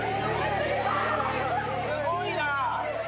すごいな。